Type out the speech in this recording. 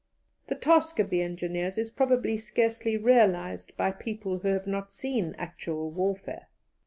The task of the engineers is probably scarcely realized by people who have not seen actual warfare.